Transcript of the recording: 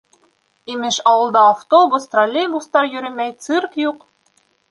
Имеш, ауылда автобус, троллейбустар йөрөмәй, цирк юҡ.